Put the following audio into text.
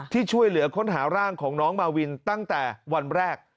ช่วยเหลือค้นหาร่างของน้องมาวินตั้งแต่วันแรก